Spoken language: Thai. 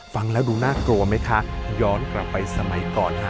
ฟังแล้วดูน่ากลัวไหมคะย้อนกลับไปสมัยก่อนค่ะ